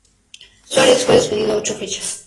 Suárez fue suspendido ocho fechas.